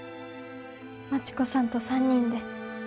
真知子さんと３人で。